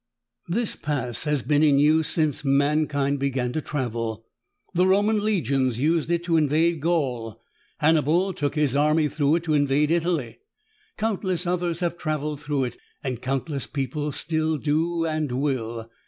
This Pass has been in use since mankind began to travel. The Roman legions used it to invade Gaul. Hannibal took his army through it to invade Italy. Countless others have traveled through it, and countless people still do and will.